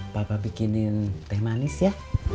papa bikinin teh manis ya